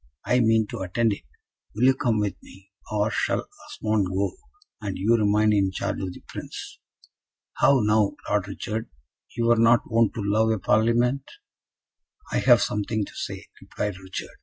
I mean to attend it. Will you come with me, or shall Osmond go, and you remain in charge of the Prince?" "How now, Lord Richard, you were not wont to love a Parlement?" "I have something to say," replied Richard.